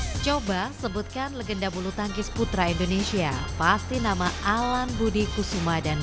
hai coba sebutkan legenda bulu tangkis putra indonesia pasti nama alan budi kusuma dan